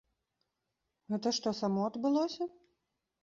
Гэта што, само адбылося?